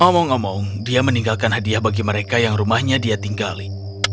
dia sudah meninggalkan hadiah bagi mereka yang rumahnya dia tinggali